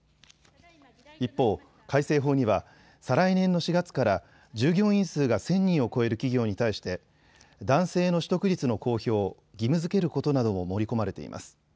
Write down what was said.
一方、改正法には再来年の４月から従業員数が１０００人を超える企業に対して男性の取得率の公表を義務づけることなども盛り込まれています。